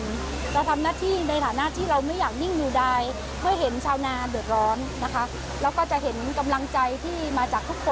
เมื่อกี้หลายท่านก็บอกว่ามาซื้อเพื่อเป็นกำลังใจให้กับชาวนา